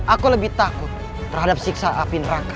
aku lebih takut terhadap siksa api neraka